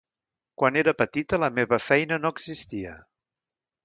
Quan era petita la meva feina no existia.